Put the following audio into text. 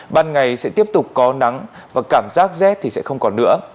ban ngày sẽ tiếp tục có nắng và cảm giác rét thì sẽ không còn nữa